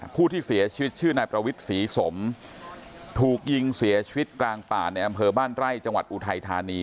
ผู้ที่เสียชีวิตชื่อนายประวิทย์ศรีสมถูกยิงเสียชีวิตกลางป่าในอำเภอบ้านไร่จังหวัดอุทัยธานี